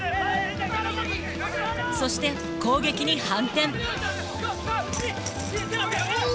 そして攻撃に反転。